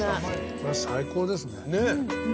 これ最高ですねねぇ